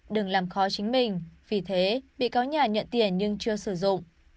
đừng làm khó chính mình vì thế bị cáo nhà nhận tiền nhưng chưa sử dụng